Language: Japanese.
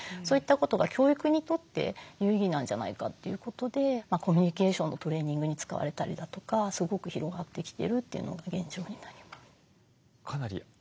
ことが教育にとって有意義なんじゃないかということでコミュニケーションのトレーニングに使われたりだとかすごく広がってきてるというのが現状になります。